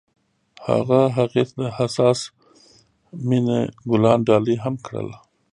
هغه هغې ته د حساس مینه ګلان ډالۍ هم کړل.